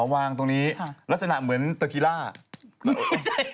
อ๋อวางตรงนี้ลักษณะเหมือนเตอร์กีล่าอ่ะ